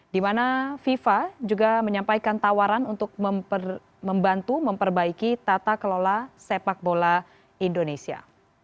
di mana fifa juga menyampaikan tawaran untuk membantu memperbaiki tata kelola sepak bola indonesia